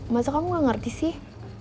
masa kamu gak ngerti sih